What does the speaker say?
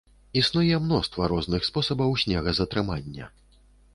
Існуе мноства розных спосабаў снегазатрымання.